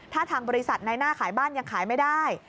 ถ้าทางบริษัทในหน้าขายบ้านยังขายไม่ได้